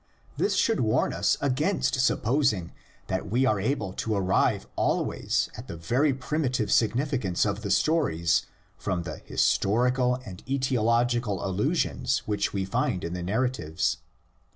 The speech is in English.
This should warn us against supposing that we are able to arrive always at the very primitive significance of the sto ries from the historical and aetiological allusions which we find in the narratives.